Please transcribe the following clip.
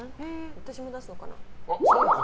私も出すのかな。